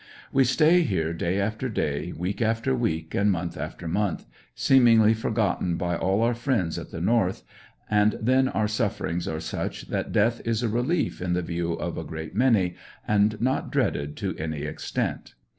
We stay here day after day, week after week, and month after month, seemingly for gotten by all our friends at the North, and then our sufferings are such that death is a relief in the view of a great many, and not dreaded to any extent.